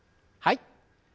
はい。